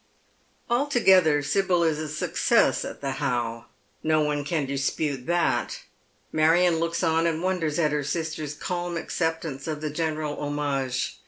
Altogether Sibyl is a success at the How. No one can dispute that. Marion looks on and wonders at her sister's calm accept ance of the general homage.